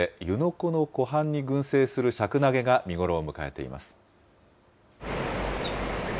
湖の湖畔に群生するシャクナゲが見頃を迎えています。